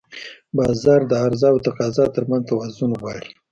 بازار د عرضه او تقاضا ترمنځ توازن غواړي.